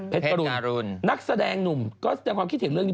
กรุณนักแสดงหนุ่มก็แสดงความคิดเห็นเรื่องนี้